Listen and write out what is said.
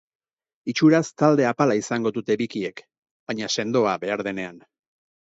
Itxuraz talde apala izango dute bikiek, baina sendoa behar denean.